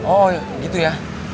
oh gitu ya